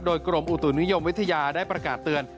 โดยกรมอุตุนิยมวิทยาได้ประกาศเตือน